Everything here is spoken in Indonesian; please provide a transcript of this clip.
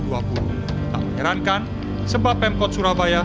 tak menyerankan sebab pemkot surabaya